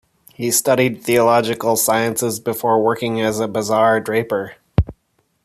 He studied theological sciences before working as a bazaar draper.